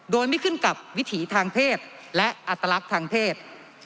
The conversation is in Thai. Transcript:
โดยไม่ขึ้นกับวิถีทางเพศและอัตลักษณ์ทางเพศ